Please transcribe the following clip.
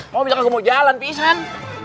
mobilnya nggak mau jalan pisan